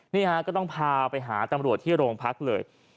นี่ฮะก็ต้องพาไปหาตำรวจที่โรงพักเลย